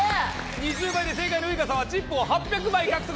２０倍で正解のウイカさんはチップを８００枚獲得！